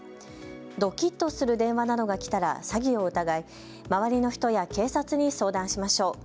ドキッとする電話などがきたら詐欺を疑い、周りの人や警察に相談しましょう。